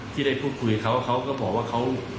ที่ได้คุดคุยกับเขาก็บอกว่า